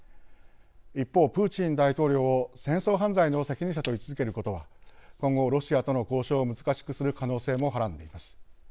一方プーチン大統領を戦争犯罪の責任者と位置づけることは今後ロシアとの交渉を難しくする可能性もはらんでいます。